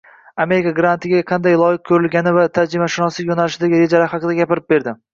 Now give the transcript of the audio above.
Amerika grantiga qanday loyiq ko‘rilgani va tarjimashunoslik yo‘nalishidagi rejalari haqida gapirib berdi.